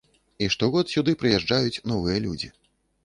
І штогод сюды прыязджаюць новыя людзі.